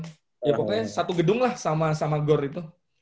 pokoknya satu gedung lah sama goreng itu